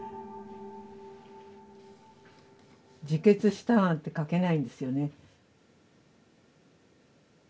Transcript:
自決したなんて書けないんですよね。